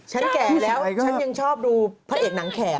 แก่แล้วฉันยังชอบดูพระเอกหนังแขน